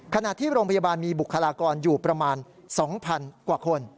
ขณะที่โรงพยาบาลมีบุคลากรอยู่ประมาณ๒๐๐๐กว่าคน